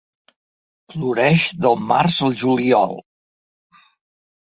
Floreix del març al juliol.